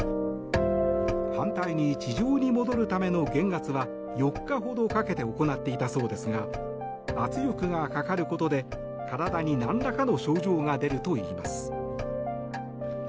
反対に地上に戻るための減圧は４日ほどかけて行っていたそうですが圧力がかかることで体になんらかの症状が出るといいます。